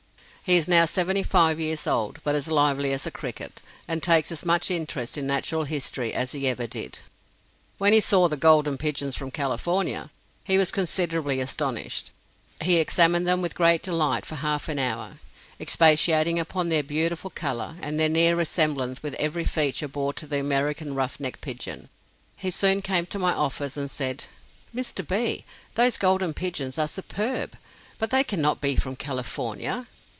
He is now seventy five years old, but is lively as a cricket, and takes as much interest in Natural History as he ever did. When he saw the "golden pigeons from California," he was considerably astonished! He examined them with great delight for half an hour, expatiating upon their beautiful color, and the near resemblance which every feature bore to the American ruff neck pigeon. He soon came to my office and said: "Mr. B., these golden pigeons are superb, but they cannot be from California.